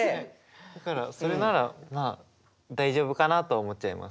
だからそれならまあ大丈夫かなと思っちゃいます。